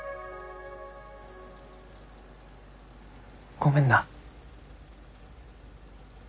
ごめんな。